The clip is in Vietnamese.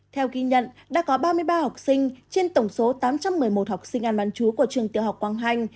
theo ghi nhận đã có ba mươi ba học sinh trên tổng số tám trăm một mươi một học sinh ăn bán chú của trường tiểu học quang hanh